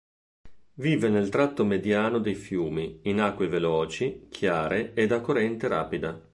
Vive nel tratto mediano dei fiumi, in acque veloci, chiare ed a corrente rapida.